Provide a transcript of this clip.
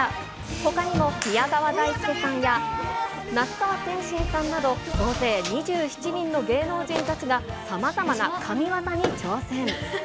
ほかにも宮川大輔さんや、那須川天心さんなど総勢２７人の芸能人たちがさまざまな神業に挑戦。